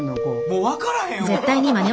もう分からへんわ！